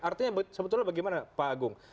artinya sebetulnya bagaimana pak agung